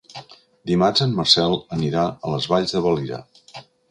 Dimarts en Marcel anirà a les Valls de Valira.